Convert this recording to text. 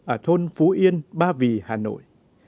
ở thôn phú yên ba vì hà nội